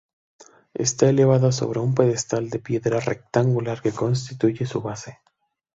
Está elevada sobre un pedestal de piedra rectangular que constituye su base.